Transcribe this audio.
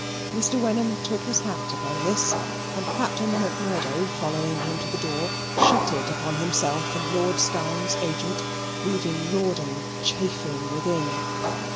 Mr. Wenham took his hat, upon this, and Captain Macmurdo following him to the door, shut it upon himself and Lord Steyne's agent, leaving Rawdon chafing within.